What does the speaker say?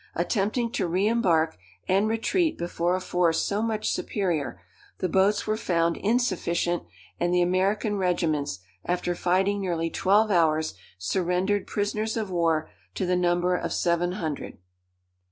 Attempting to re embark and retreat before a force so much superior, the boats were found insufficient, and the American regiments, after fighting nearly twelve hours, surrendered prisoners of war, to the number of seven hundred.